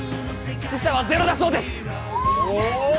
死者はゼロだそうです！